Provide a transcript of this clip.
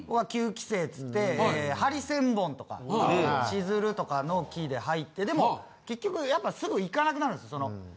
９期生っつってハリセンボンとかしずるとかの期で入ってでも結局やっぱすぐ行かなくなるんです。